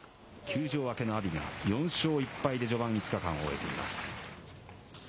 休場明けの阿炎が、４勝１敗で序盤５日間を終えています。